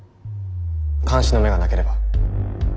監視の目がなければ。